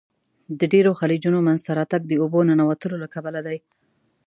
د ډیرو خلیجونو منځته راتګ د اوبو ننوتلو له کبله دی.